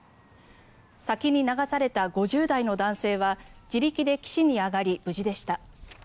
先に流された５０代の男性は自力で岸に上がり無事でした。